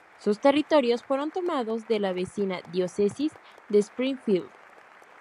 Sus territorios fueron tomados de la vecina Diócesis de Springfield.